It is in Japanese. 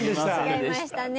違いましたね